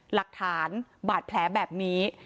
หลักฐานบาดแผลแบบนี้